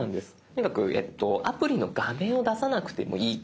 とにかくアプリの画面を出さなくてもいい。